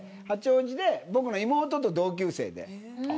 八王子で僕の妹と同級生で